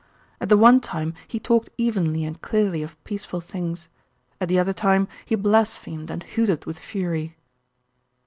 At the one time he talked evenly and clearly of peaceful things; at the other time he blasphemed and hooted with fury.